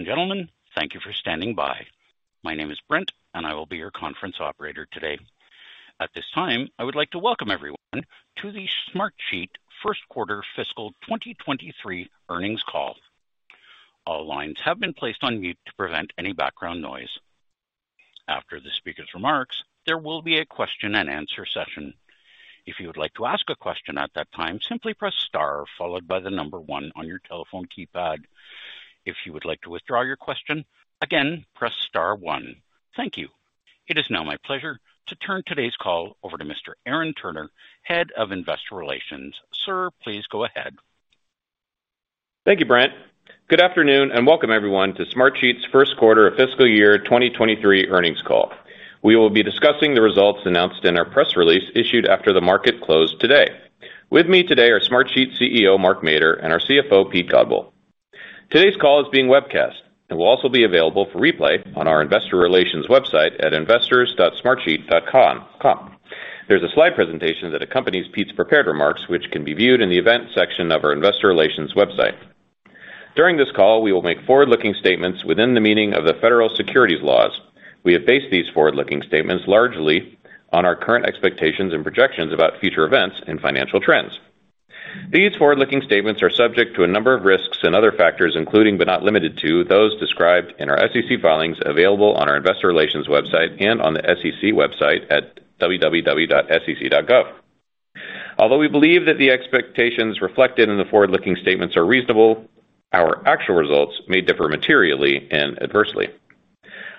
Ladies and gentlemen, thank you for standing by. My name is Brent, and I will be your conference operator today. At this time, I would like to welcome everyone to the Smartsheet first quarter fiscal 2023 earnings call. All lines have been placed on mute to prevent any background noise. After the speaker's remarks, there will be a question-and-answer session. If you would like to ask a question at that time, simply press star followed by the number one on your telephone keypad. If you would like to withdraw your question, again, press star one. Thank you. It is now my pleasure to turn today's call over to Mr. Aaron Turner, Head of Investor Relations. Sir, please go ahead. Thank you, Brent. Good afternoon, and welcome everyone to Smartsheet's first quarter of fiscal year 2023 earnings call. We will be discussing the results announced in our press release issued after the market closed today. With me today are Smartsheet CEO Mark Mader and our CFO Pete Godbole. Today's call is being webcast and will also be available for replay on our investor relations website at investors.smartsheet.com. There's a slide presentation that accompanies Pete's prepared remarks, which can be viewed in the event section of our investor relations website. During this call, we will make forward-looking statements within the meaning of the federal securities laws. We have based these forward-looking statements largely on our current expectations and projections about future events and financial trends. These forward-looking statements are subject to a number of risks and other factors, including but not limited to those described in our SEC filings available on our investor relations website and on the SEC website at www.sec.gov. Although we believe that the expectations reflected in the forward-looking statements are reasonable, our actual results may differ materially and adversely.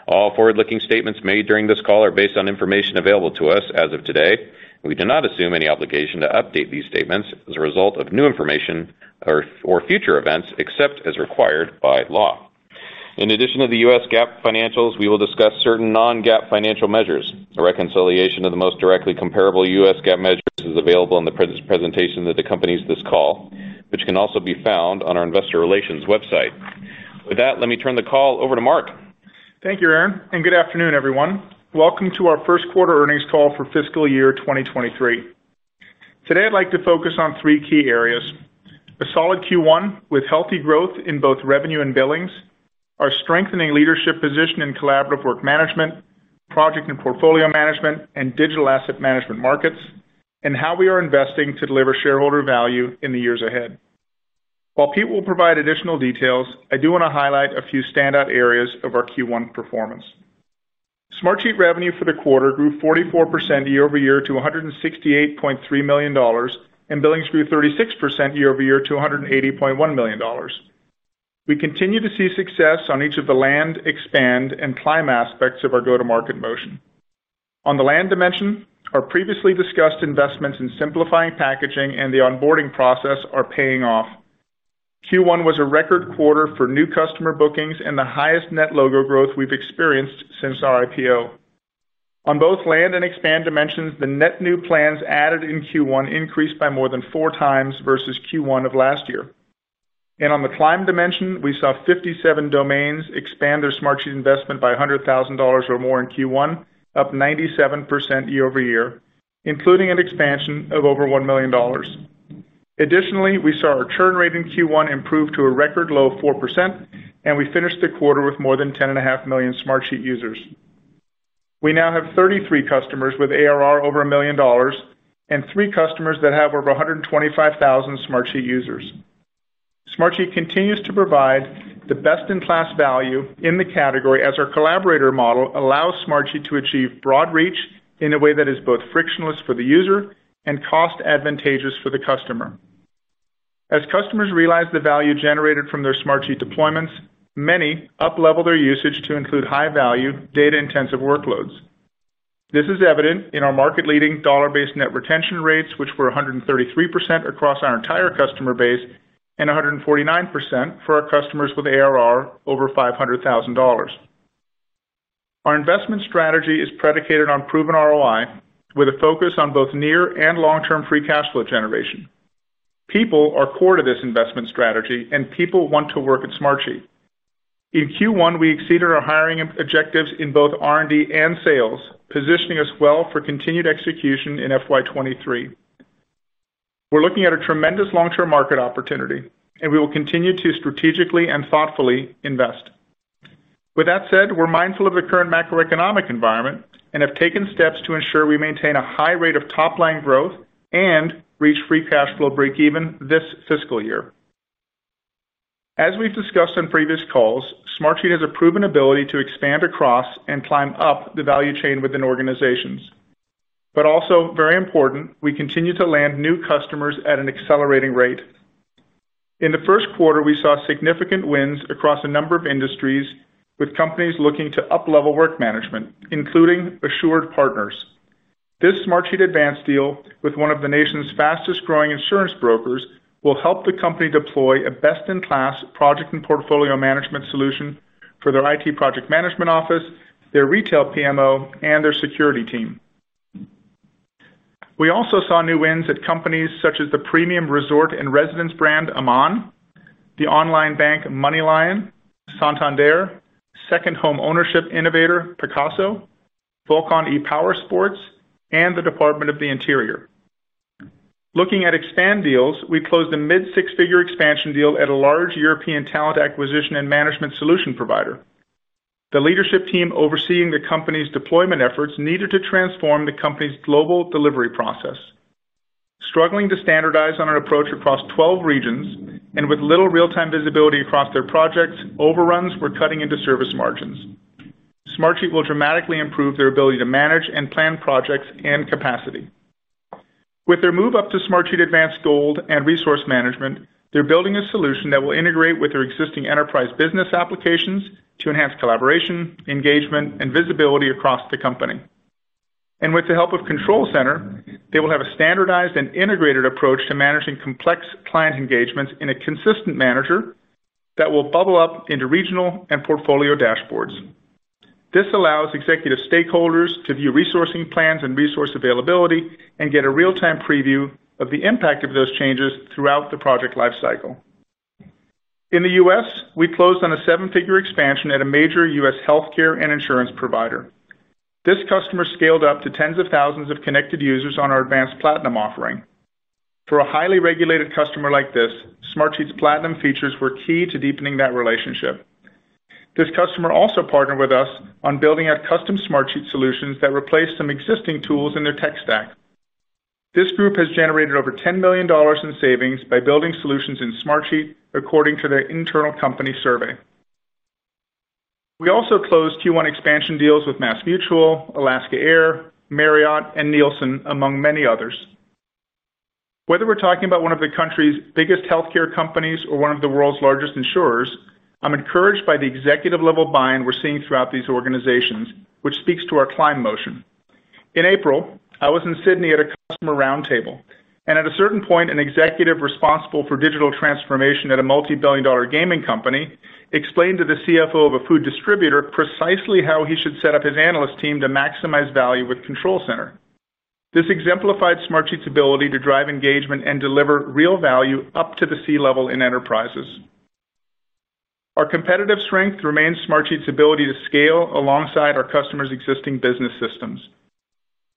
All forward-looking statements made during this call are based on information available to us as of today. We do not assume any obligation to update these statements as a result of new information or future events except as required by law. In addition to the U.S. GAAP financials, we will discuss certain non-GAAP financial measures. A reconciliation of the most directly comparable U.S. GAAP measures is available in the presentation that accompanies this call, which can be found on our investor relations website. With that, let me turn the call over to Mark. Thank you, Aaron, and good afternoon, everyone. Welcome to our first quarter earnings call for fiscal year 2023. Today, I'd like to focus on three key areas, the solid Q1 with healthy growth in both revenue and billings, our strengthening leadership position in collaborative work management, project and portfolio management, and digital asset management markets, and how we are investing to deliver shareholder value in the years ahead. While Pete will provide additional details, I do wanna highlight a few standout areas of our Q1 performance. Smartsheet revenue for the quarter grew 44% year-over-year to $168.3 million, and billings grew 36% year-over-year to $180.1 million. We continue to see success on each of the land, expand, and climb aspects of our go-to-market motion. On the land dimension, our previously discussed investments in simplifying packaging and the onboarding process are paying off. Q1 was a record quarter for new customer bookings and the highest net logo growth we've experienced since our IPO. On both land and expand dimensions, the net new plans added in Q1 increased by more than 4x versus Q1 of last year. On the climb dimension, we saw 57 domains expand their Smartsheet investment by $100,000 or more in Q1, up 97% year-over-year, including an expansion of over $1 million. Additionally, we saw our churn rate in Q1 improve to a record low of 4%, and we finished the quarter with more than 10.5 million Smartsheet users. We now have 33 customers with ARR over $1 million and three customers that have over 125,000 Smartsheet users. Smartsheet continues to provide the best-in-class value in the category as our collaborator model allows Smartsheet to achieve broad reach in a way that is both frictionless for the user and cost advantageous for the customer. As customers realize the value generated from their Smartsheet deployments, many uplevel their usage to include high-value, data-intensive workloads. This is evident in our market-leading dollar-based net retention rates, which were 133% across our entire customer base and 149% for our customers with ARR over $500,000. Our investment strategy is predicated on proven ROI with a focus on both near and long-term free cash flow generation. People are core to this investment strategy, and people want to work at Smartsheet. In Q1, we exceeded our hiring objectives in both R&D and sales, positioning us well for continued execution in FY 2023. We're looking at a tremendous long-term market opportunity, and we will continue to strategically and thoughtfully invest. With that said, we're mindful of the current macroeconomic environment and have taken steps to ensure we maintain a high rate of top-line growth and reach free cash flow break even this fiscal year. As we've discussed on previous calls, Smartsheet has a proven ability to expand across and climb up the value chain within organizations. Also, very important, we continue to land new customers at an accelerating rate. In the first quarter, we saw significant wins across a number of industries with companies looking to uplevel work management, including AssuredPartners. This Smartsheet Advance deal with one of the nation's fastest-growing insurance brokers will help the company deploy a best-in-class project and portfolio management solution for their IT project management office, their retail PMO, and their security team. We also saw new wins at companies such as the premium resort and residence brand Aman, the online bank MoneyLion, Santander, second home ownership innovator Pacaso, Volcon ePowersports, and the Department of the Interior. Looking at expansion deals, we closed a mid-six-figure expansion deal at a large European talent acquisition and management solution provider. The leadership team overseeing the company's deployment efforts needed to transform the company's global delivery process. Struggling to standardize on an approach across 12 regions and with little real-time visibility across their projects, overruns were cutting into service margins. Smartsheet will dramatically improve their ability to manage and plan projects and capacity. With their move-up to Smartsheet Advance Gold and Resource Management, they're building a solution that will integrate with their existing enterprise business applications to enhance collaboration, engagement, and visibility across the company. With the help of Control Center, they will have a standardized and integrated approach to managing complex client engagements in a consistent manner that will bubble up into regional and portfolio dashboards. This allows executive stakeholders to view resourcing plans and resource availability and get a real-time preview of the impact of those changes throughout the project lifecycle. In the U.S., we closed on a seven-figure expansion at a major U.S. healthcare and insurance provider. This customer scaled up to tens of thousands of connected users on our Advance Platinum offering. For a highly regulated customer like this, Smartsheet's Platinum features were key to deepening that relationship. This customer also partnered with us on building out custom Smartsheet solutions that replaced some existing tools in their tech stack. This group has generated over $10 million in savings by building solutions in Smartsheet, according to their internal company survey. We also closed Q1 expansion deals with MassMutual, Alaska Airlines, Marriott, and Nielsen, among many others. Whether we're talking about one of the country's biggest healthcare companies or one of the world's largest insurers, I'm encouraged by the executive-level buy-in we're seeing throughout these organizations, which speaks to our client motion. In April, I was in Sydney at a customer roundtable, and at a certain point, an executive responsible for digital transformation at a multi-billion-dollar gaming company explained to the CFO of a food distributor precisely how he should set up his analyst team to maximize value with Control Center. This exemplified Smartsheet's ability to drive engagement and deliver real value up to the C-level in enterprises. Our competitive strength remains Smartsheet's ability to scale alongside our customers' existing business systems.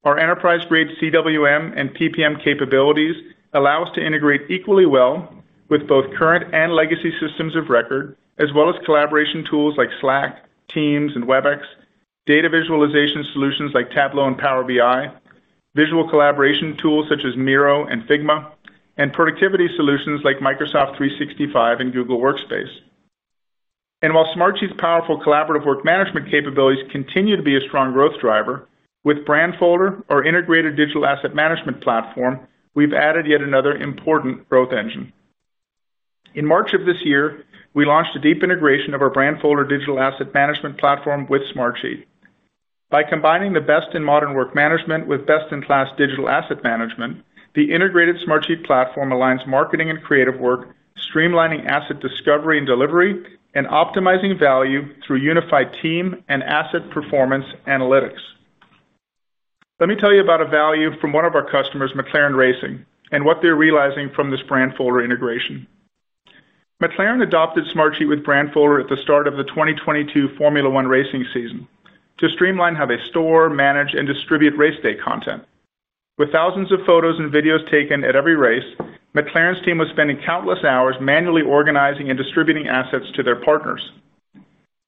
Our enterprise-grade CWM and PPM capabilities allow us to integrate equally well with both current and legacy systems of record, as well as collaboration tools like Slack, Teams, and Webex, data visualization solutions like Tableau and Power BI, visual collaboration tools such as Miro and Figma, and productivity solutions like Microsoft 365 and Google Workspace. While Smartsheet's powerful collaborative work management capabilities continue to be a strong growth driver, with Brandfolder, our integrated digital asset management platform, we've added yet another important growth engine. In March of this year, we launched a deep integration of our Brandfolder digital asset management platform with Smartsheet. By combining the best in modern work management with best-in-class digital asset management, the integrated Smartsheet platform aligns marketing and creative work, streamlining asset discovery and delivery and optimizing value through unified team and asset performance analytics. Let me tell you about a value from one of our customers, McLaren Racing, and what they're realizing from this Brandfolder integration. McLaren adopted Smartsheet with Brandfolder at the start of the 2022 Formula One racing season to streamline how they store, manage, and distribute race day content. With thousands of photos and videos taken at every race, McLaren's team was spending countless hours manually organizing and distributing assets to their partners.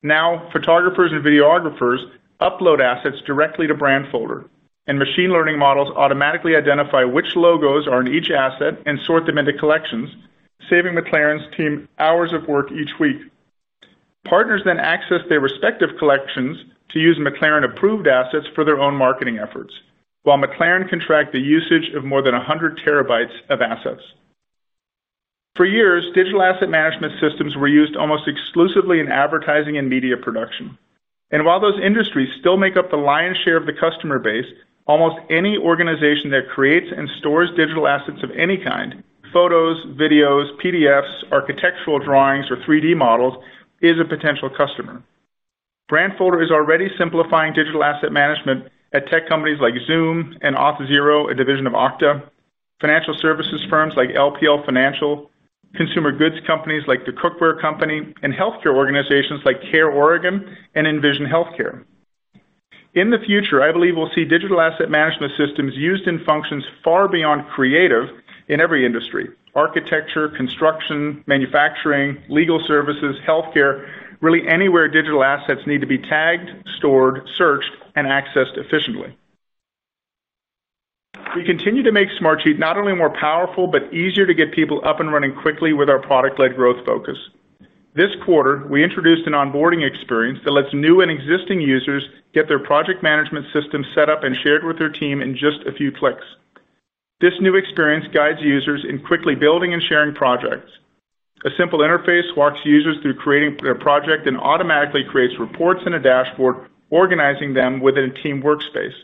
Now, photographers and videographers upload assets directly to Brandfolder, and machine learning models automatically identify which logos are in each asset and sort them into collections, saving McLaren's team hours of work each week. Partners access their respective collections to use McLaren-approved assets for their own marketing efforts, while McLaren can track the usage of more than 100 TB of assets. For years, digital asset management systems were used almost exclusively in advertising and media production. While those industries still make up the lion's share of the customer base, almost any organization that creates and stores digital assets of any kind, photos, videos, PDFs, architectural drawings, or 3D models, is a potential customer. Brandfolder is already simplifying digital asset management at tech companies like Zoom and Auth0, a division of Okta, financial services firms like LPL Financial, consumer goods companies like The Cookware Company, and healthcare organizations like CareOregon and Envision Healthcare. In the future, I believe we'll see digital asset management systems used in functions far beyond creative in every industry, architecture, construction, manufacturing, legal services, healthcare, really anywhere digital assets need to be tagged, stored, searched, and accessed efficiently. We continue to make Smartsheet not only more powerful, but easier to get people up and running quickly with our product-led growth focus. This quarter, we introduced an onboarding experience that lets new and existing users get their project management system set up and shared with their team in just a few clicks. This new experience guides users in quickly building and sharing projects. A simple interface walks users through creating their project and automatically creates reports in a dashboard, organizing them within a team workspace.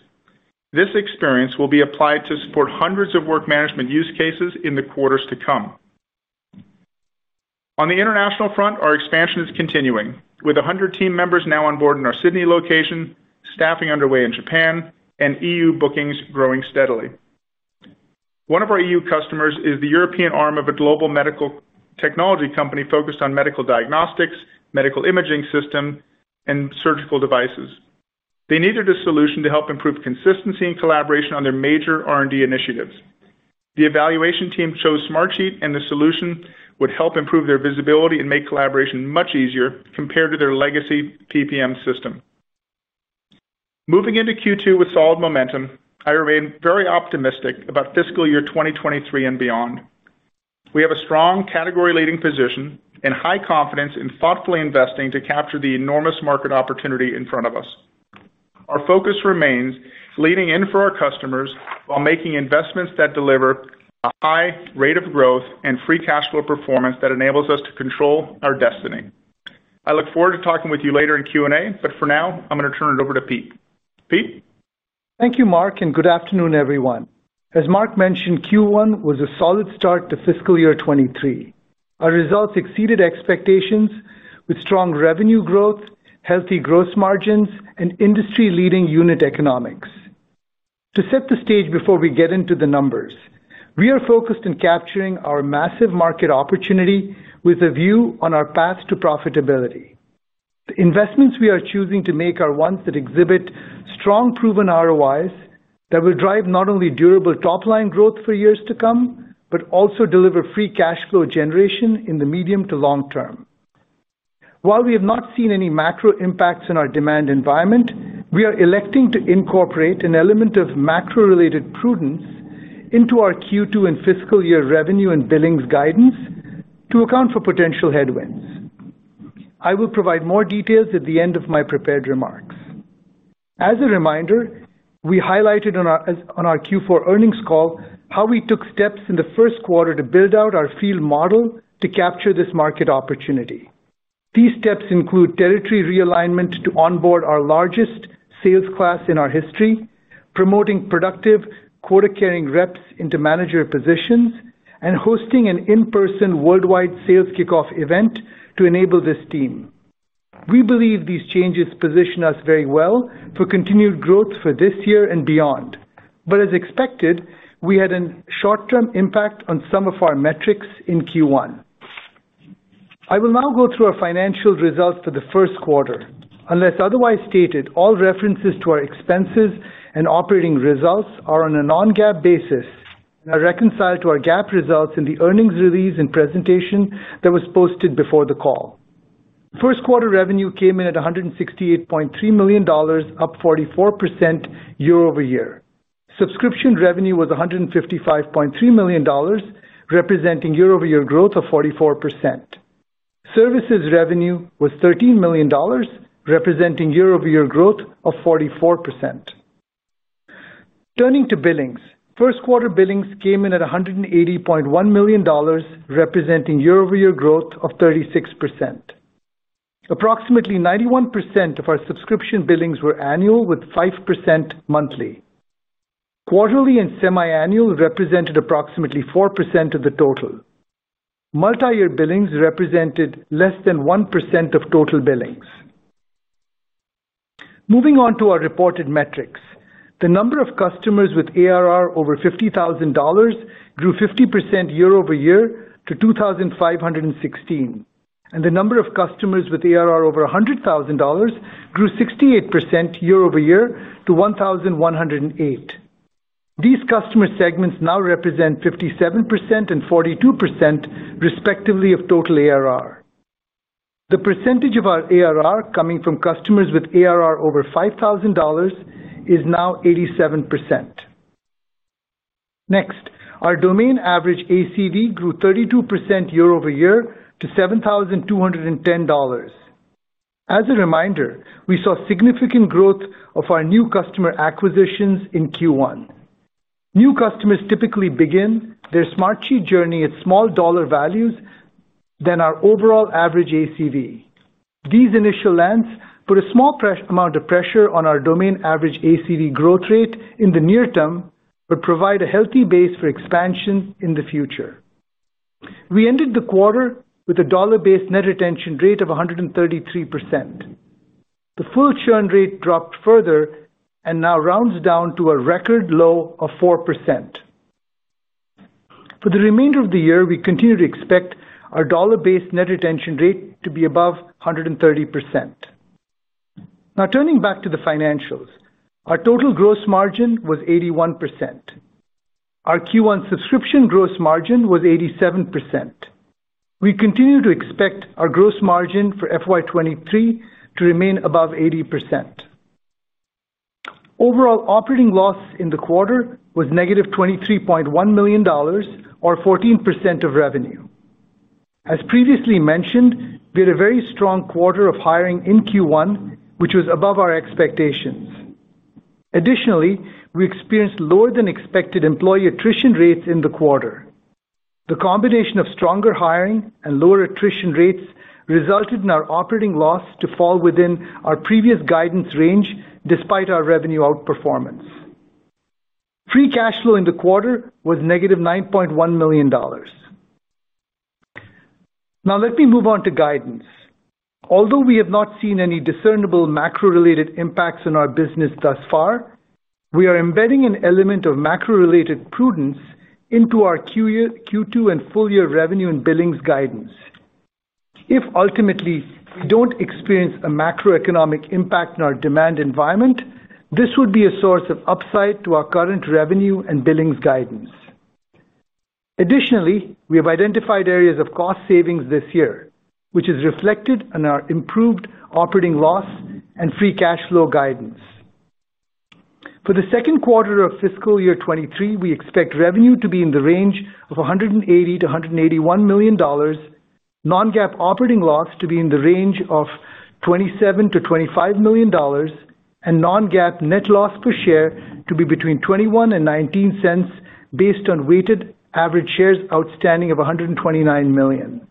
This experience will be applied to support hundreds of work management use cases in the quarters to come. On the international front, our expansion is continuing, with 100 team members now on board in our Sydney location, staffing underway in Japan, and EU bookings growing steadily. One of our EU customers is the European arm of a global medical technology company focused on medical diagnostics, medical imaging system, and surgical devices. They needed a solution to help improve consistency and collaboration on their major R&D initiatives. The evaluation team chose Smartsheet, and the solution would help improve their visibility and make collaboration much easier compared to their legacy PPM system. Moving into Q2 with solid momentum, I remain very optimistic about fiscal year 2023 and beyond. We have a strong category leading position and high confidence in thoughtfully investing to capture the enormous market opportunity in front of us. Our focus remains leaning in for our customers while making investments that deliver a high rate of growth and free cash flow performance that enables us to control our destiny. I look forward to talking with you later in Q&A, but for now, I'm going to turn it over to Pete. Pete. Thank you, Mark, and good afternoon, everyone. As Mark mentioned, Q1 was a solid start to fiscal year 2023. Our results exceeded expectations with strong revenue growth, healthy gross margins, and industry-leading unit economics. To set the stage before we get into the numbers, we are focused in capturing our massive market opportunity with a view on our path to profitability. The investments we are choosing to make are ones that exhibit strong, proven ROIs that will drive not only durable top-line growth for years to come, but also deliver free cash flow generation in the medium to long term. While we have not seen any macro impacts in our demand environment, we are electing to incorporate an element of macro-related prudence into our Q2 and fiscal year revenue and billings guidance to account for potential headwinds. I will provide more details at the end of my prepared remarks. As a reminder, we highlighted on our Q4 earnings call how we took steps in the first quarter to build out our field model to capture this market opportunity. These steps include territory realignment to onboard our largest sales class in our history, promoting productive quota-carrying reps into manager positions, and hosting an in-person worldwide sales kickoff event to enable this team. We believe these changes position us very well for continued growth for this year and beyond. As expected, we had a short-term impact on some of our metrics in Q1. I will now go through our financial results for the first quarter. Unless otherwise stated, all references to our expenses and operating results are on a non-GAAP basis, and are reconciled to our GAAP results in the earnings release and presentation that was posted before the call. First quarter revenue came in at $168.3 million, up 44% year-over-year. Subscription revenue was $155.3 million, representing year-over-year growth of 44%. Services revenue was $13 million, representing year-over-year growth of 44%. Turning to billings. First quarter billings came in at $180.1 million, representing year-over-year growth of 36%. Approximately 91% of our subscription billings were annual, with 5% monthly. Quarterly and semiannual represented approximately 4% of the total. Multi-year billings represented less than 1% of total billings. Moving on to our reported metrics. The number of customers with ARR over $50,000 grew 50% year-over-year to 2,516. The number of customers with ARR over $100,000 grew 68% year-over-year to 1,108. These customer segments now represent 57% and 42%, respectively, of total ARR. The percentage of our ARR coming from customers with ARR over $5,000 is now 87%. Next, our domain average, ACV, grew 32% year-over-year to $7,210. As a reminder, we saw significant growth of our new customer acquisitions in Q1. New customers typically begin their Smartsheet journey at smaller dollar values than our overall average ACV. These initial lands put a small amount of pressure on our median ACV growth rate in the near term, but provide a healthy base for expansion in the future. We ended the quarter with a dollar-based net retention rate of 133%. The full churn rate dropped further and now rounds down to a record low of 4%. For the remainder of the year, we continue to expect our dollar-based net retention rate to be above 130%. Now turning back to the financials. Our total gross margin was 81%. Our Q1 subscription gross margin was 87%. We continue to expect our gross margin for FY 2023 to remain above 80%. Overall operating loss in the quarter was -$23.1 million or 14% of revenue. As previously mentioned, we had a very strong quarter of hiring in Q1, which was above our expectations. Additionally, we experienced lower than expected employee attrition rates in the quarter. The combination of stronger hiring and lower attrition rates resulted in our operating loss to fall within our previous guidance range despite our revenue outperformance. Free cash flow in the quarter was -$9.1 million. Now let me move on to guidance. Although we have not seen any discernible macro-related impacts on our business thus far, we are embedding an element of macro-related prudence into our Q2 and full year revenue and billings guidance. If ultimately we don't experience a macroeconomic impact in our demand environment, this would be a source of upside to our current revenue and billings guidance. Additionally, we have identified areas of cost savings this year, which is reflected in our improved operating loss and free cash flow guidance. For the second quarter of fiscal year 2023, we expect revenue to be in the range of $180 million-$181 million, non-GAAP operating loss to be in the range of $27 million-$25 million, and non-GAAP net loss per share to be between $0.21 and $0.19 based on weighted average shares outstanding of 129 million.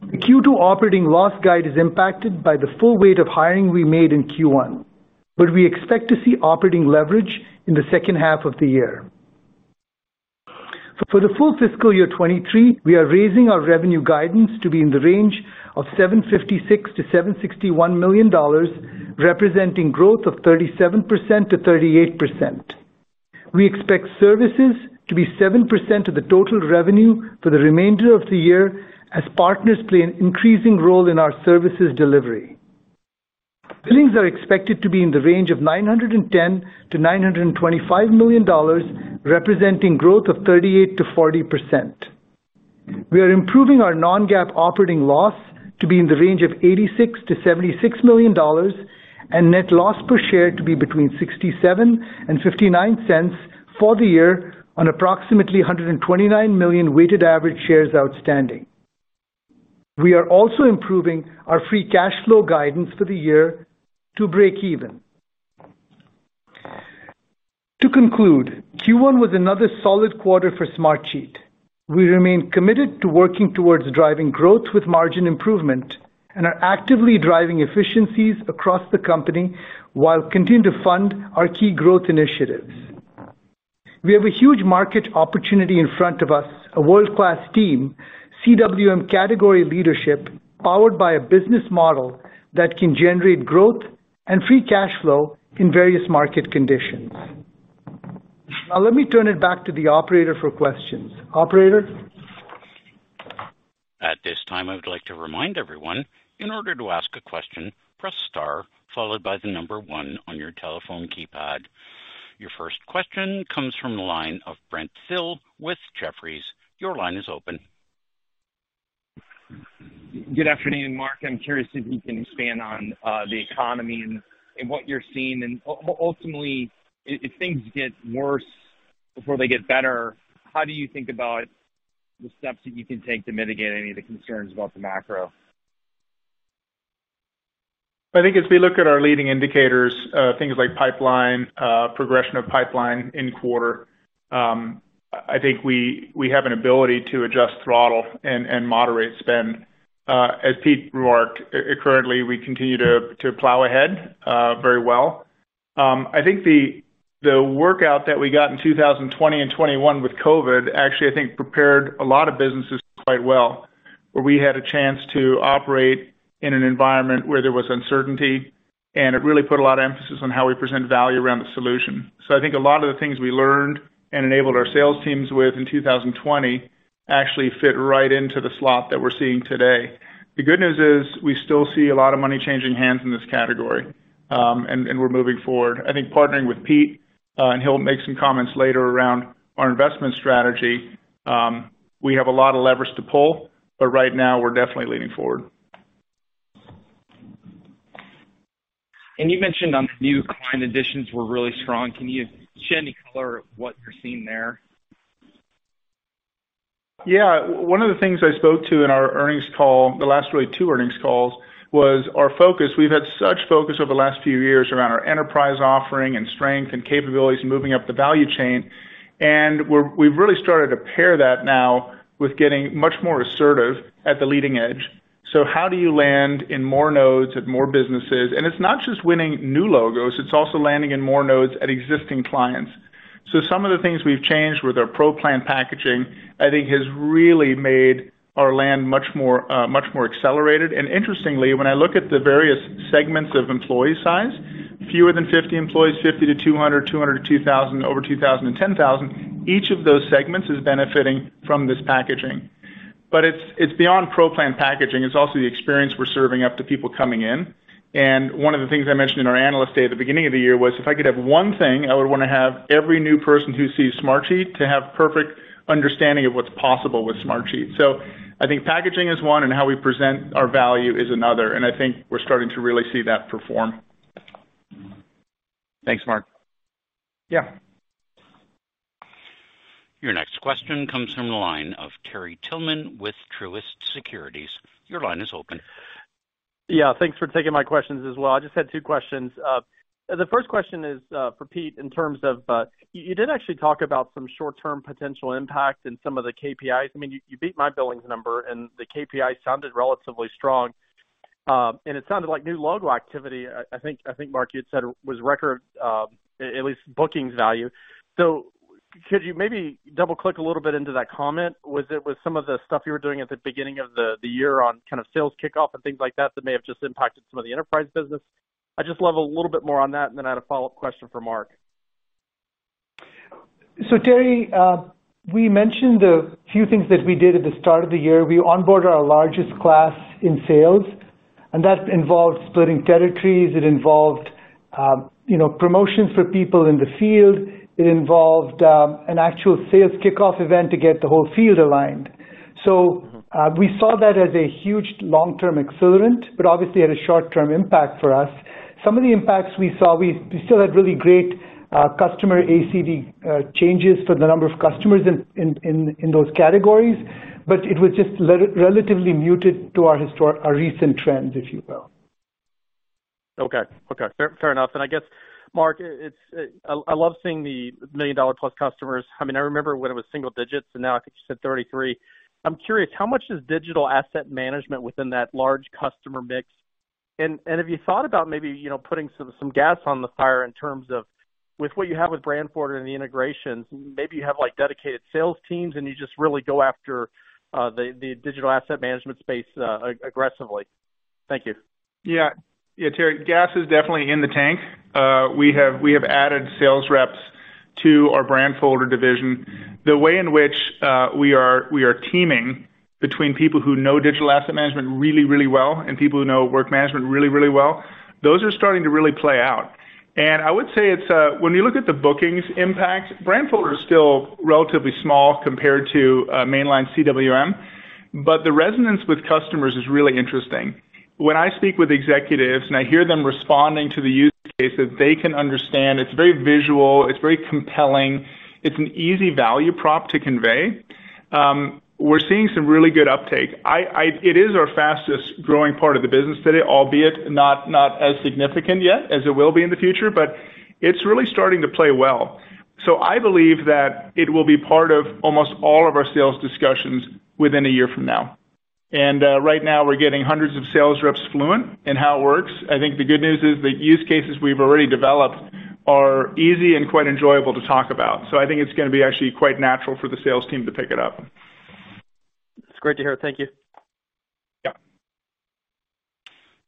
The Q2 operating loss guide is impacted by the full weight of hiring we made in Q1, but we expect to see operating leverage in the second half of the year. For the full fiscal year 2023, we are raising our revenue guidance to be in the range of $756 million-$761 million, representing growth of 37%-38%. We expect services to be 7% of the total revenue for the remainder of the year as partners play an increasing role in our services delivery. Billings are expected to be in the range of $910 million-$925 million, representing growth of 38%-40%. We are improving our non-GAAP operating loss to be in the range of $86 million-$76 million and net loss per share to be between $0.67 and $0.59 for the year on approximately 129 million weighted average shares outstanding. We are also improving our free cash flow guidance for the year to breakeven. To conclude, Q1 was another solid quarter for Smartsheet. We remain committed to working towards driving growth with margin improvement and are actively driving efficiencies across the company while continuing to fund our key growth initiatives. We have a huge market opportunity in front of us, a world-class team, CWM category leadership, powered by a business model that can generate growth and free cash flow in various market conditions. Now let me turn it back to the operator for questions. Operator? At this time, I would like to remind everyone, in order to ask a question, press star followed by the number one on your telephone keypad. Your first question comes from the line of Brent Thill with Jefferies. Your line is open. Good afternoon, Mark. I'm curious if you can expand on the economy and what you're seeing. Ultimately, if things get worse before they get better, how do you think about the steps that you can take to mitigate any of the concerns about the macro? I think as we look at our leading indicators, things like pipeline, progression of pipeline in quarter, I think we have an ability to adjust throttle and moderate spend. As Pete remarked, currently, we continue to plow ahead very well. I think the workout that we got in 2020 and 2021 with COVID actually prepared a lot of businesses quite well. Where we had a chance to operate in an environment where there was uncertainty, and it really put a lot of emphasis on how we present value around the solution. I think a lot of the things we learned and enabled our sales teams with in 2020 actually fit right into the slot that we're seeing today. The good news is we still see a lot of money changing hands in this category, and we're moving forward. I think partnering with Pete, and he'll make some comments later around our investment strategy, we have a lot of levers to pull, but right now we're definitely leaning forward. You mentioned that new client additions were really strong. Can you shed any color on what you're seeing there? Yeah. One of the things I spoke to in our earnings call, the last really two earnings calls, was our focus. We've had such focus over the last few years around our enterprise offering and strength and capabilities and moving up the value chain. We've really started to pair that now with getting much more assertive at the leading edge. How do you land in more nodes at more businesses? It's not just winning new logos, it's also landing in more nodes at existing clients. Some of the things we've changed with our pro plan packaging, I think, has really made our land much more accelerated. Interestingly, when I look at the various segments of employee size, fewer than 50 employees, 50-200, 200-2,000, over 2,000 and 10,000, each of those segments is benefiting from this packaging. It's beyond pro plan packaging. It's also the experience we're serving up to people coming in. One of the things I mentioned in our Analyst Day at the beginning of the year was, if I could have one thing, I would wanna have every new person who sees Smartsheet to have perfect understanding of what's possible with Smartsheet. I think packaging is one, and how we present our value is another. I think we're starting to really see that perform. Thanks, Mark. Yeah. Your next question comes from the line of Terry Tillman with Truist Securities. Your line is open. Yeah. Thanks for taking my questions as well. I just had two questions. The first question is for Pete in terms of you did actually talk about some short-term potential impact in some of the KPIs. I mean, you beat my billings number, and the KPI sounded relatively strong. And it sounded like new logo activity, I think, Mark, you had said was record, at least bookings value. So could you maybe double-click a little bit into that comment? Was it with some of the stuff you were doing at the beginning of the year on kind of sales kickoff and things like that may have just impacted some of the enterprise business? I'd just love a little bit more on that, and then I had a follow-up question for Mark. Terry, we mentioned a few things that we did at the start of the year. We onboard our largest class in sales, and that involved splitting territories. It involved, you know, promotions for people in the field. It involved an actual sales kickoff event to get the whole field aligned. We saw that as a huge long-term accelerant, but obviously had a short-term impact for us. Some of the impacts we saw, we still had really great customer ACV changes for the number of customers in those categories, but it was just relatively muted relative to our recent trends, if you will. Okay. Fair enough. I guess, Mark, I love seeing the million-dollar-plus customers. I mean, I remember when it was single digits, and now I think you said 33. I'm curious, how much is digital asset management within that large customer mix? And have you thought about maybe, you know, putting some gas on the fire in terms of with what you have with Brandfolder and the integrations, maybe you have, like, dedicated sales teams, and you just really go after the digital asset management space aggressively? Thank you. Yeah. Yeah, Terry. Gas is definitely in the tank. We have added sales reps to our Brandfolder division. The way in which we are teaming between people who know digital asset management really, really well, and people who know work management really, really well, those are starting to really play out. I would say it's when you look at the bookings impact, Brandfolder is still relatively small compared to mainline CWM, but the resonance with customers is really interesting. When I speak with executives and I hear them responding to the use cases, they can understand it's very visual, it's very compelling, it's an easy value prop to convey. We're seeing some really good uptake. It is our fastest growing part of the business today, albeit not as significant yet as it will be in the future, but it's really starting to play well. I believe that it will be part of almost all of our sales discussions within a year from now. Right now we're getting hundreds of sales reps fluent in how it works. I think the good news is the use cases we've already developed are easy and quite enjoyable to talk about. I think it's gonna be actually quite natural for the sales team to pick it up. It's great to hear. Thank you. Yeah.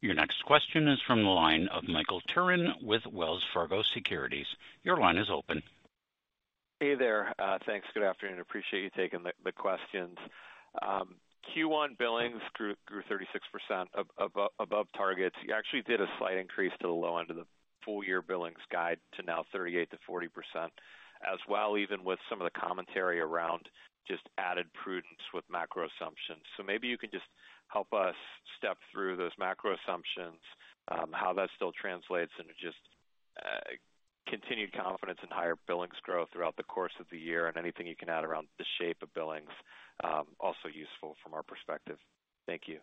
Your next question is from the line of Michael Turrin with Wells Fargo Securities. Your line is open. Hey there. Thanks. Good afternoon. Appreciate you taking the questions. Q1 billings grew 36% above targets. You actually did a slight increase to the low end of the full year billings guide to now 38%-40%. As well, even with some of the commentary around just added prudence with macro assumptions. Maybe you can just help us step through those macro assumptions, how that still translates into just continued confidence in higher billings growth throughout the course of the year and anything you can add around the shape of billings, also useful from our perspective. Thank you.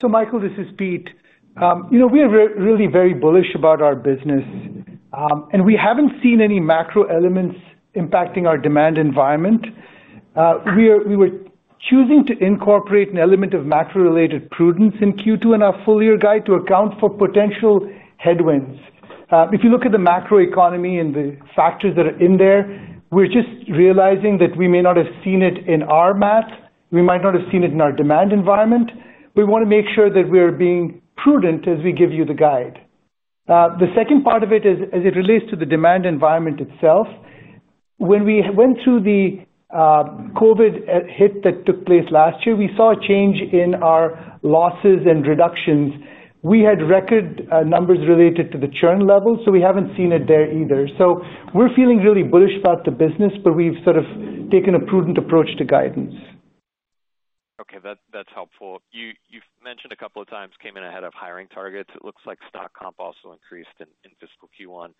Michael Turrin, this is Pete Godbole. You know, we are really very bullish about our business. We haven't seen any macro elements impacting our demand environment. We were choosing to incorporate an element of macro-related prudence in Q2 in our full year guide to account for potential headwinds. If you look at the macro economy and the factors that are in there, we're just realizing that we may not have seen it in our math. We might not have seen it in our demand environment. We wanna make sure that we're being prudent as we give you the guide. The second part of it is, as it relates to the demand environment itself, when we went through the COVID hit that took place last year, we saw a change in our losses and reductions. We had record numbers related to the churn levels, so we haven't seen it there either. We're feeling really bullish about the business, but we've sort of taken a prudent approach to guidance. Okay. That's helpful. You've mentioned a couple of times came in ahead of hiring targets. It looks like stock comp also increased in fiscal Q1.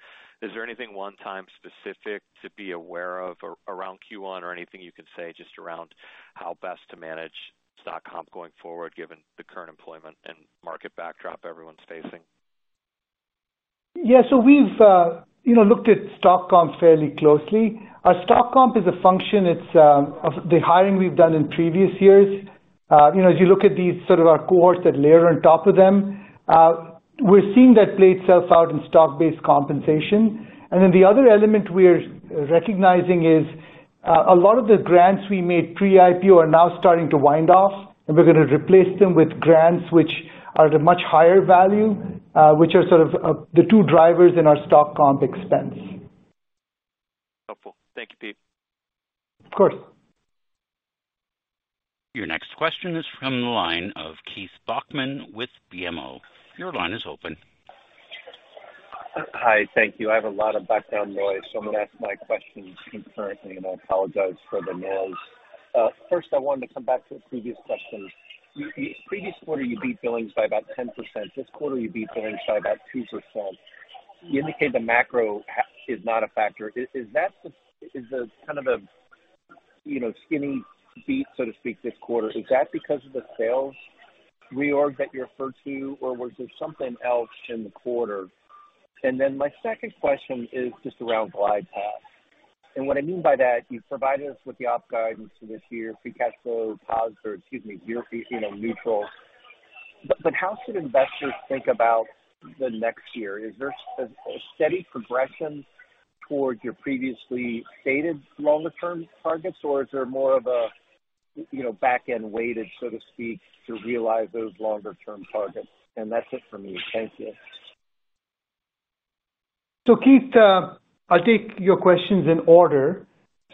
Is there anything one-time specific to be aware of around Q1 or anything you can say just around how best to manage stock comp going forward, given the current employment and market backdrop everyone's facing? Yeah. We've, you know, looked at stock comp fairly closely. Our stock comp is a function of the hiring we've done in previous years. You know, as you look at these sort of our cohorts that layer on top of them, we're seeing that play itself out in stock-based compensation. Then the other element we're recognizing is a lot of the grants we made pre-IPO are now starting to wind off, and we're gonna replace them with grants which are at a much higher value, which are sort of the two drivers in our stock comp expense. Helpful. Thank you, Pete. Of course. Your next question is from the line of Keith Bachman with BMO. Your line is open. Hi. Thank you. I have a lot of background noise, so I'm gonna ask my questions concurrently, and I apologize for the noise. First, I wanted to come back to a previous question. Previous quarter, you beat billings by about 10%. This quarter, you beat billings by about 2%. You indicate the macro is not a factor. Is that the kind of a, you know, skinny beat, so to speak, this quarter, is that because of the sales reorg that you referred to, or was there something else in the quarter? Then my second question is just around glide path. What I mean by that, you've provided us with the op guidance for this year, free cash flow, excuse me, you know, neutral. But how should investors think about the next year? Is there a steady progression towards your previously stated longer term targets, or is there more of a You know, back end weighted, so to speak, to realize those longer term targets. That's it for me. Thank you. Keith, I'll take your questions in order.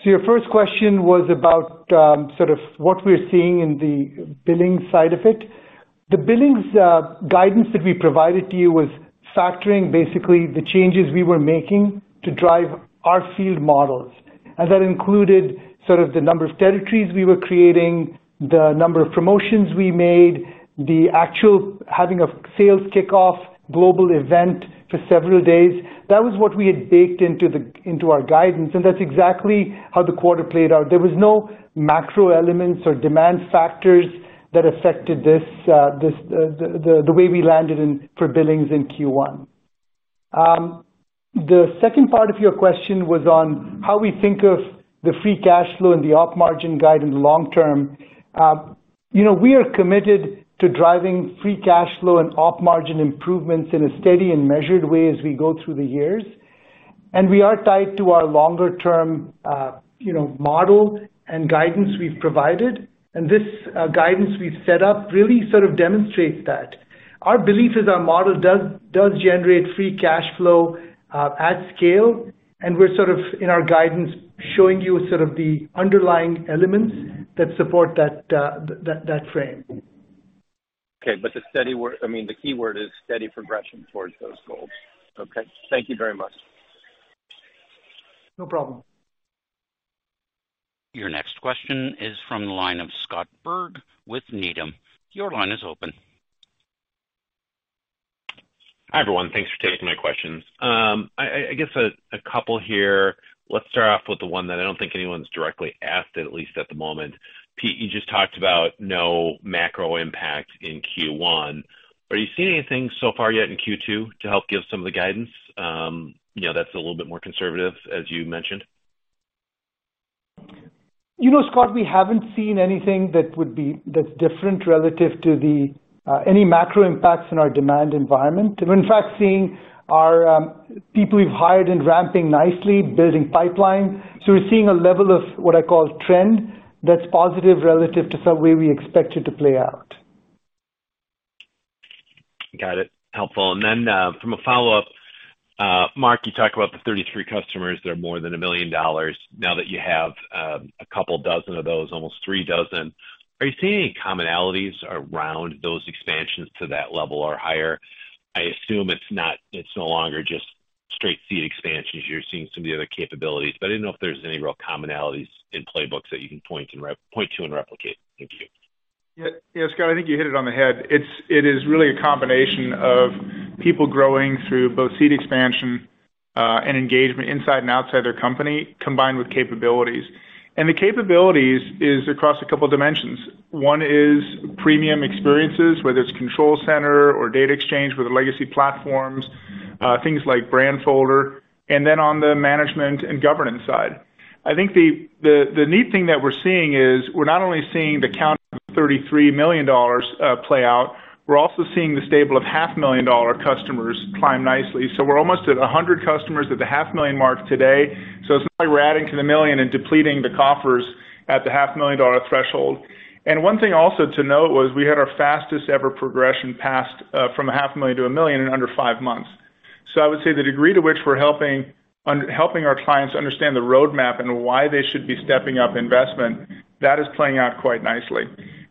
Your first question was about sort of what we're seeing in the billing side of it. The billings guidance that we provided to you was factoring basically the changes we were making to drive our field models, and that included sort of the number of territories we were creating, the number of promotions we made, the actual having a sales kickoff global event for several days. That was what we had baked into our guidance, and that's exactly how the quarter played out. There was no macro elements or demand factors that affected this, the way we landed for billings in Q1. The second part of your question was on how we think of the free cash flow and the op margin guide in the long term. You know, we are committed to driving free cash flow and op margin improvements in a steady and measured way as we go through the years. We are tied to our longer term, you know, model and guidance we've provided. This guidance we've set up really sort of demonstrates that. Our belief is our model does generate free cash flow at scale, and we're sort of in our guidance, showing you sort of the underlying elements that support that frame. Okay. The key word is steady progression towards those goals. Okay? Thank you very much. No problem. Your next question is from the line of Scott Berg with Needham. Your line is open. Hi, everyone. Thanks for taking my questions. I guess a couple here. Let's start off with the one that I don't think anyone's directly asked, at least at the moment. Pete, you just talked about no macro impact in Q1. Are you seeing anything so far yet in Q2 to help give some of the guidance, you know, that's a little bit more conservative, as you mentioned? You know, Scott, we haven't seen anything that's different relative to any macro impacts in our demand environment. We're in fact seeing our people we've hired and ramping nicely, building pipeline. We're seeing a level of what I call trend that's positive relative to some way we expect it to play out. Got it. Helpful. From a follow-up. Mark, you talk about the 33 customers that are more than $1 million now that you have, a couple dozen of those, almost three dozen. Are you seeing any commonalities around those expansions to that level or higher? I assume it's not, it's no longer just straight seat expansions. You're seeing some of the other capabilities, but I didn't know if there's any real commonalities in playbooks that you can point to and replicate. Thank you. Yeah. Yeah, Scott, I think you hit it on the head. It is really a combination of people growing through both seat expansion and engagement inside and outside their company, combined with capabilities. The capabilities are across a couple dimensions. One is premium experiences, whether it's Control Center or Data Shuttle with the legacy platforms, things like Brandfolder, and then on the management and governance side. I think the neat thing that we're seeing is we're not only seeing the count of $33 million play out, we're also seeing the stable of $500,000 customers climb nicely. We're almost at 100 customers at the 500,000 mark today. It's not like we're adding to the million and depleting the coffers at the $500,000 threshold. One thing also to note was we had our fastest ever progression past from $500,000-$1 million in under five months. I would say the degree to which we're helping our clients understand the roadmap and why they should be stepping up investment, that is playing out quite nicely.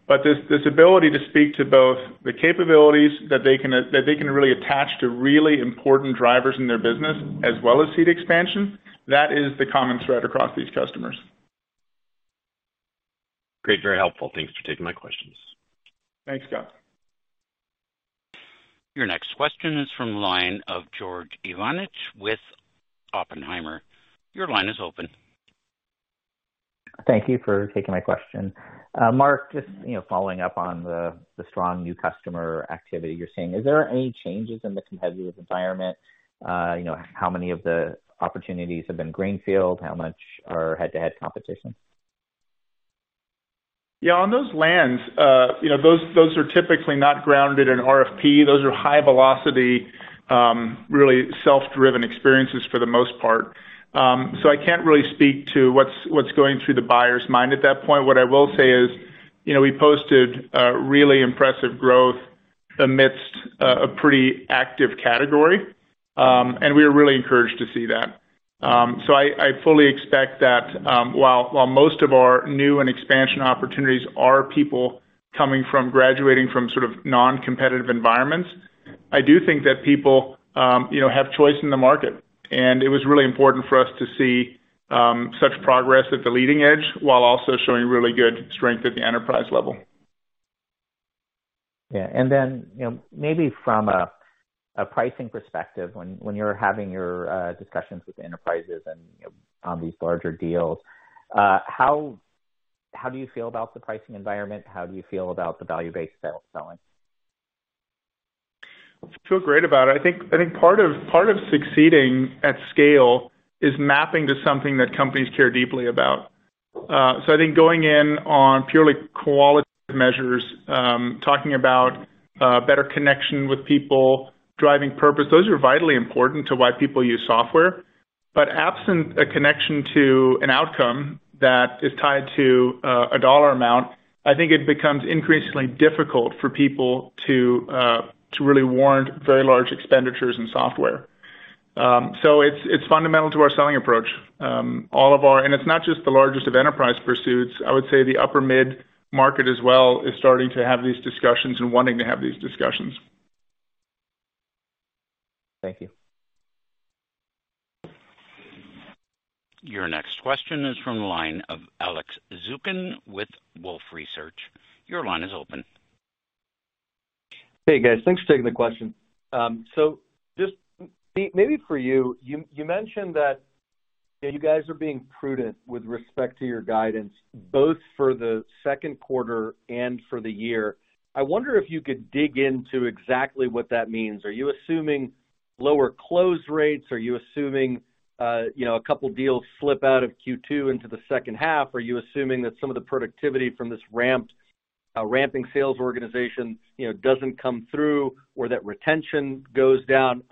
This ability to speak to both the capabilities that they can really attach to really important drivers in their business as well as seat expansion, that is the common thread across these customers. Great. Very helpful. Thanks for taking my questions. Thanks, Scott. Your next question is from the line of George Iwanyc with Oppenheimer. Your line is open. Thank you for taking my question. Mark, just, you know, following up on the strong new customer activity you're seeing. Is there any changes in the competitive environment? You know, how many of the opportunities have been greenfield? How much are head-to-head competition? Yeah, on those lands, you know, those are typically not grounded in RFP. Those are high velocity, really self-driven experiences for the most part. So I can't really speak to what's going through the buyer's mind at that point. What I will say is, you know, we posted really impressive growth amidst a pretty active category, and we are really encouraged to see that. So I fully expect that, while most of our new and expansion opportunities are people coming from graduating from sort of non-competitive environments, I do think that people, you know, have choice in the market. It was really important for us to see such progress at the leading edge while also showing really good strength at the enterprise level. Yeah. You know, maybe from a pricing perspective, when you're having your discussions with the enterprises and, you know, on these larger deals, how do you feel about the pricing environment? How do you feel about the value-based selling? Feel great about it. I think part of succeeding at scale is mapping to something that companies care deeply about. I think going in on purely qualitative measures, talking about better connection with people, driving purpose, those are vitally important to why people use software. Absent a connection to an outcome that is tied to a dollar amount, I think it becomes increasingly difficult for people to really warrant very large expenditures in software. It's fundamental to our selling approach. It's not just the largest of enterprise pursuits. I would say the upper mid-market as well is starting to have these discussions and wanting to have these discussions. Thank you. Your next question is from the line of Alex Zukin with Wolfe Research. Your line is open. Hey, guys. Thanks for taking the question. So just maybe for you mentioned that you guys are being prudent with respect to your guidance, both for the second quarter and for the year. I wonder if you could dig into exactly what that means. Are you assuming lower close rates? Are you assuming a couple deals slip out of Q2 into the second half? Are you assuming that some of the productivity from this ramping sales organization doesn't come through or that retention goes down?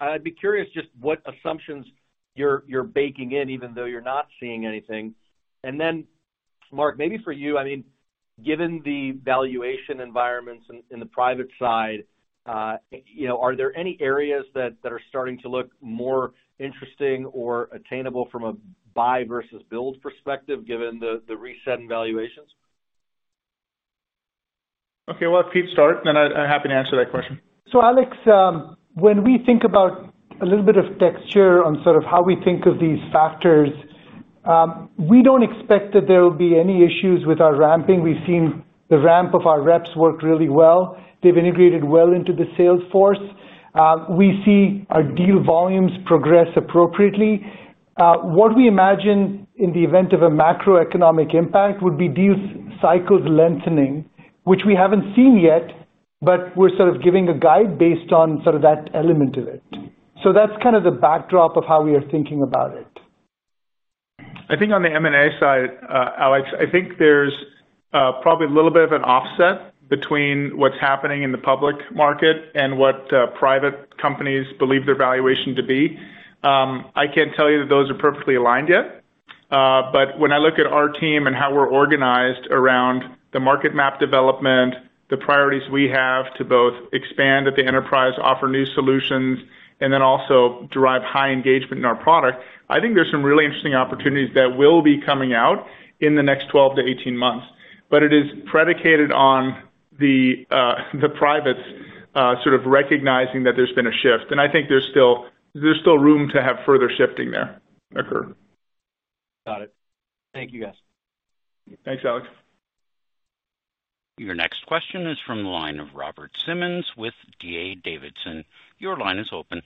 I'd be curious just what assumptions you're baking in, even though you're not seeing anything. Mark, maybe for you, I mean, given the valuation environments in the private side, you know, are there any areas that are starting to look more interesting or attainable from a buy versus build perspective, given the reset in valuations? Okay, we'll have Pete start, then I'm happy to answer that question. Alex, when we think about a little bit of texture on sort of how we think of these factors, we don't expect that there will be any issues with our ramping. We've seen the ramp of our reps work really well. They've integrated well into the sales force. We see our deal volumes progress appropriately. What we imagine in the event of a macroeconomic impact would be deal cycles lengthening, which we haven't seen yet, but we're sort of giving a guide based on sort of that element of it. That's kind of the backdrop of how we are thinking about it. I think on the M&A side, Alex, I think there's probably a little bit of an offset between what's happening in the public market and what private companies believe their valuation to be. I can't tell you that those are perfectly aligned yet. When I look at our team and how we're organized around the market map development, the priorities we have to both expand at the enterprise, offer new solutions, and then also drive high engagement in our product, I think there's some really interesting opportunities that will be coming out in the next 12-18 months. It is predicated on the privates sort of recognizing that there's been a shift. I think there's still room to have further shifting there occur. Got it. Thank you, guys. Thanks, Alex. Your next question is from the line of Robert Simmons with D.A. Davidson. Your line is open.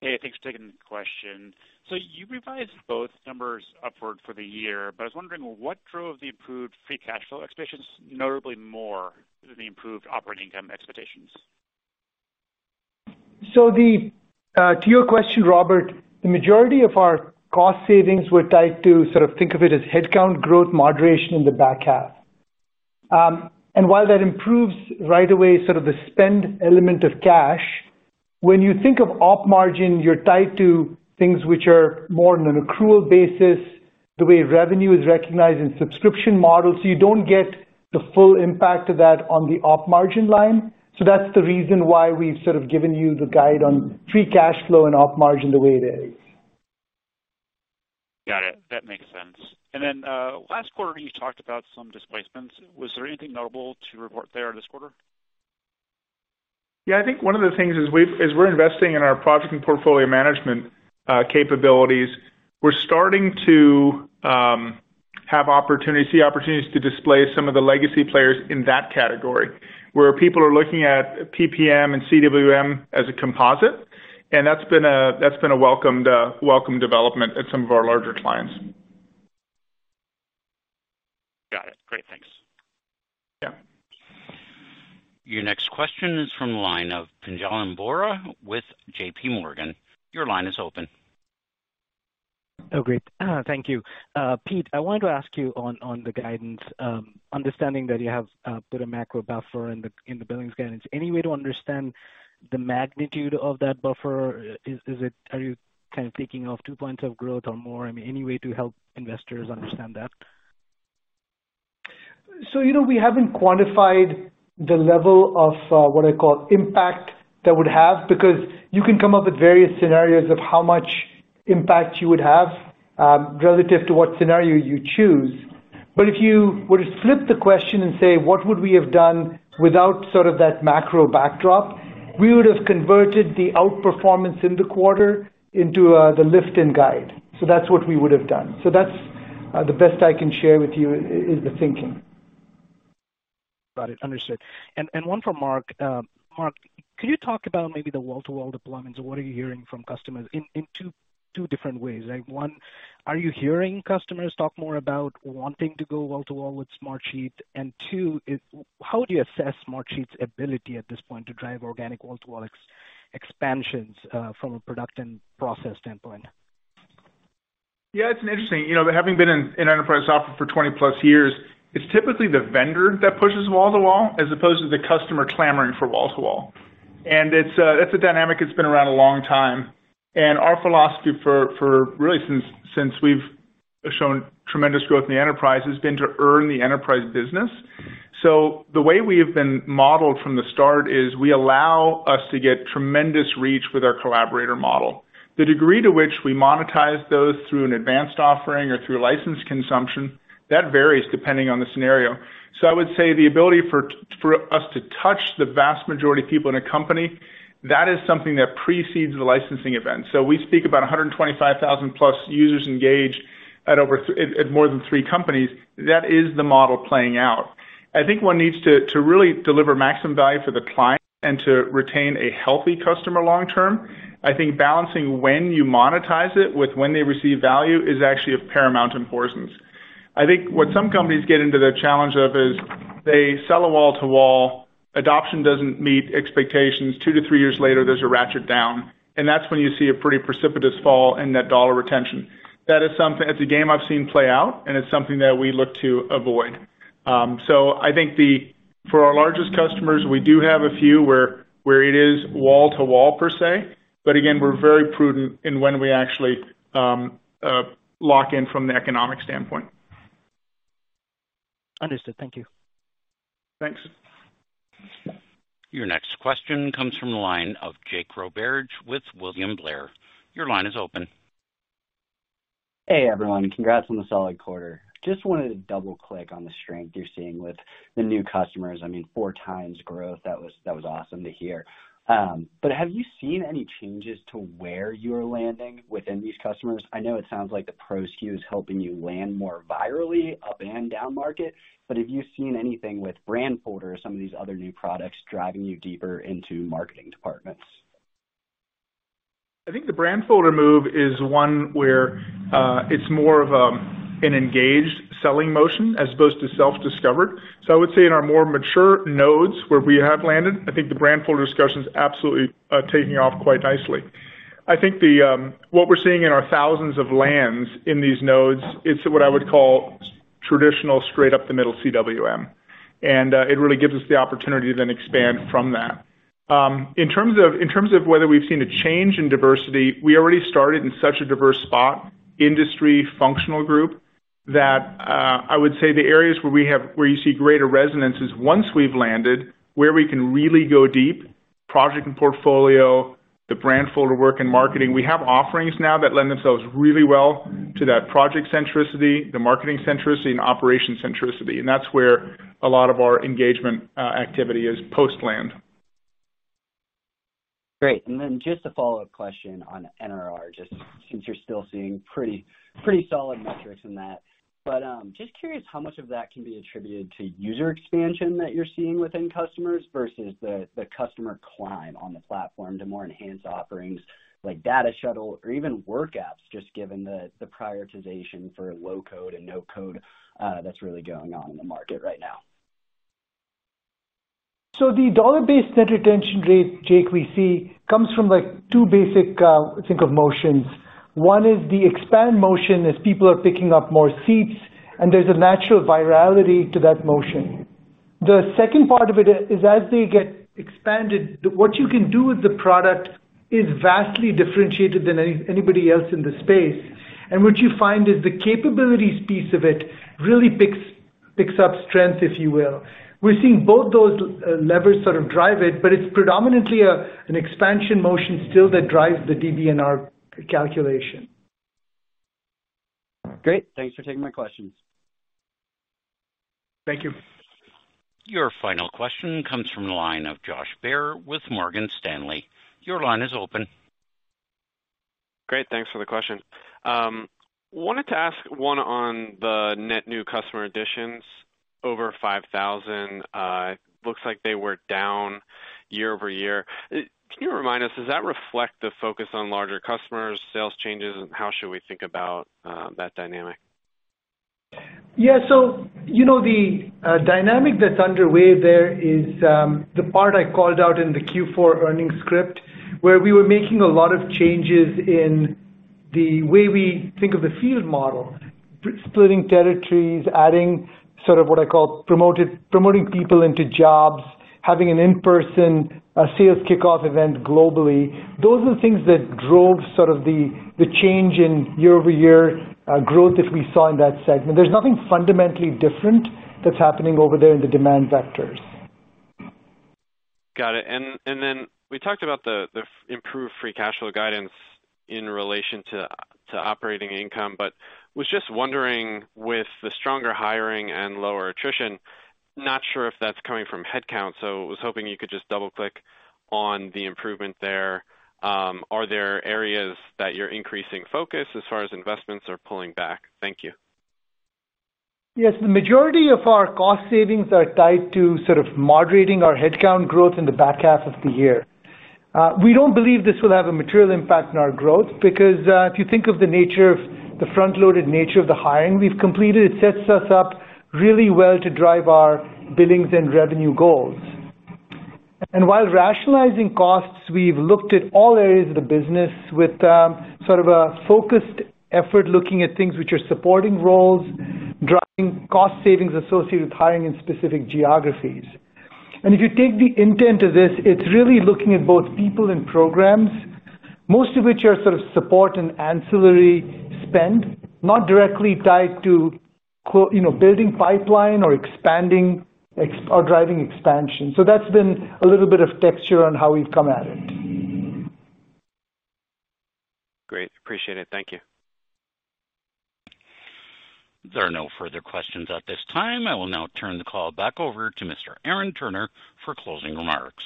Hey, thanks for taking the question. You revised both numbers upward for the year, but I was wondering what drove the improved free cash flow expectations notably more than the improved operating income expectations? To your question, Robert, the majority of our cost savings were tied to sort of think of it as headcount growth moderation in the back half. While that improves right away sort of the spend element of cash, when you think of op margin, you're tied to things which are more on an accrual basis, the way revenue is recognized in subscription models, so you don't get the full impact of that on the op margin line. That's the reason why we've sort of given you the guide on free cash flow and op margin the way it is. Got it. That makes sense. Last quarter, you talked about some displacements. Was there anything notable to report there this quarter? Yeah. I think one of the things is as we're investing in our project and portfolio management capabilities, we're starting to have opportunities, see opportunities to displace some of the legacy players in that category, where people are looking at PPM and CWM as a composite. That's been a welcomed development at some of our larger clients. Got it. Great. Thanks. Yeah. Your next question is from the line of Pinjalim Bora with JPMorgan. Your line is open. Oh, great. Thank you. Pete, I wanted to ask you on the guidance, understanding that you have put a macro buffer in the billings guidance, any way to understand the magnitude of that buffer? Are you kind of thinking of two points of growth or more? I mean, any way to help investors understand that? You know, we haven't quantified the level of what I call impact that would have, because you can come up with various scenarios of how much impact you would have, relative to what scenario you choose. If you were to flip the question and say, what would we have done without sort of that macro backdrop? We would have converted the outperformance in the quarter into the lift and guide. That's what we would have done. That's the best I can share with you is the thinking. Got it. Understood. One for Mark. Mark, could you talk about maybe the wall-to-wall deployments? What are you hearing from customers in two different ways? Like, one, are you hearing customers talk more about wanting to go wall-to-wall with Smartsheet? Two is how do you assess Smartsheet's ability at this point to drive organic wall-to-wall expansions from a product and process standpoint? Yeah, it's interesting. You know, having been in enterprise software for 20+ years, it's typically the vendor that pushes wall-to-wall as opposed to the customer clamoring for wall-to-wall. It's a dynamic that's been around a long time. Our philosophy for really since we've shown tremendous growth in the enterprise has been to earn the enterprise business. The way we have been modeled from the start is we allow us to get tremendous reach with our collaborator model. The degree to which we monetize those through an advanced offering or through license consumption, that varies depending on the scenario. I would say the ability for us to touch the vast majority of people in a company, that is something that precedes the licensing event. We speak about 125,000+ users engaged at over 30 companies. That is the model playing out. I think one needs to really deliver maximum value for the client and to retain a healthy customer long term. I think balancing when you monetize it with when they receive value is actually of paramount importance. I think what some companies get into the challenge of is they sell a wall-to-wall, adoption doesn't meet expectations. Two to three years later, there's a ratchet down, and that's when you see a pretty precipitous fall in that dollar retention. That is something. It's a game I've seen play out, and it's something that we look to avoid. I think for our largest customers, we do have a few where it is wall-to-wall per se, but again, we're very prudent in when we actually lock in from the economic standpoint. Understood. Thank you. Thanks. Your next question comes from the line of Jake Roberge with William Blair. Your line is open. Hey, everyone. Congrats on the solid quarter. Just wanted to double-click on the strength you're seeing with the new customers. I mean, 4x growth. That was awesome to hear. But have you seen any changes to where you're landing within these customers? I know it sounds like the Pro SKU is helping you land more virally up and down market, but have you seen anything with Brandfolder or some of these other new products driving you deeper into marketing departments? I think the Brandfolder move is one where it's more of an engaged selling motion as opposed to self-discovered. I would say in our more mature nodes where we have landed, I think the Brandfolder discussion is absolutely taking off quite nicely. I think what we're seeing in our thousands of lands in these nodes, it's what I would call traditional straight up the middle CWM, and it really gives us the opportunity to then expand from that. In terms of whether we've seen a change in diversity, we already started in such a diverse spot, industry, functional group, that I would say the areas where we have where you see greater resonance is once we've landed, where we can really go deep, project and portfolio, the Brandfolder work in marketing. We have offerings now that lend themselves really well to that project centricity, the marketing centricity and operation centricity, and that's where a lot of our engagement, activity is post-land. Great. Just a follow-up question on NRR, just since you're still seeing pretty solid metrics in that. Just curious how much of that can be attributed to user expansion that you're seeing within customers versus the customer climb on the platform to more enhanced offerings like Data Shuttle or even WorkApps, just given the prioritization for low-code and no-code that's really going on in the market right now. The dollar-based net retention rate, Jake, we see comes from, like, two basic think of motions. One is the expand motion as people are picking up more seats, and there's a natural virality to that motion. The second part of it is as they get expanded, what you can do with the product is vastly differentiated than anybody else in the space. What you find is the capabilities piece of it really picks up strength, if you will. We're seeing both those levers sort of drive it, but it's predominantly an expansion motion still that drives the DBNR calculation. Great. Thanks for taking my questions. Thank you. Your final question comes from the line of Josh Baer with Morgan Stanley. Your line is open. Great. Thanks for the question. Wanted to ask one on the net new customer additions over 5,000. Looks like they were down year-over-year. Can you remind us, does that reflect the focus on larger customers, sales changes? How should we think about that dynamic? Yeah. You know, the dynamic that's underway there is the part I called out in the Q4 earnings script, where we were making a lot of changes in the way we think of the field model. Splitting territories, adding sort of what I call promoting people into jobs, having an in-person sales kickoff event globally. Those are the things that drove sort of the change in year-over-year growth that we saw in that segment. There's nothing fundamentally different that's happening over there in the demand vectors. Got it. We talked about the improved free cash flow guidance in relation to operating income, but was just wondering, with the stronger hiring and lower attrition, not sure if that's coming from headcount. Was hoping you could just double-click on the improvement there. Are there areas that you're increasing focus as far as investments are pulling back? Thank you. Yes. The majority of our cost savings are tied to sort of moderating our headcount growth in the back half of the year. We don't believe this will have a material impact on our growth because, if you think of the front-loaded nature of the hiring we've completed, it sets us up really well to drive our billings and revenue goals. While rationalizing costs, we've looked at all areas of the business with sort of a focused effort, looking at things which are supporting roles, driving cost savings associated with hiring in specific geographies. If you take the intent of this, it's really looking at both people and programs, most of which are sort of support and ancillary spend, not directly tied to you know, building pipeline or driving expansion. That's been a little bit of texture on how we've come at it. Great. Appreciate it. Thank you. There are no further questions at this time. I will now turn the call back over to Mr. Aaron Turner for closing remarks.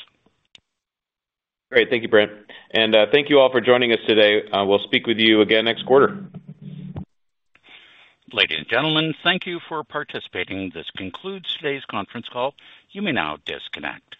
Great. Thank you, Brent. Thank you all for joining us today. We'll speak with you again next quarter. Ladies and gentlemen, thank you for participating. This concludes today's conference call. You may now disconnect.